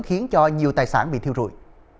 khiến cho nhiều tài sản bị thiêu rụi